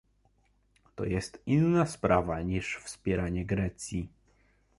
To jest inna sprawa niż wspieranie Grecji